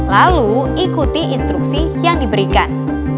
lalu ikuti instruksi yang diberikan